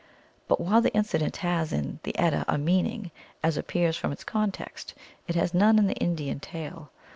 But while the incident has in the Edda a meaning, as appears from its context, it has none in the Indian tale.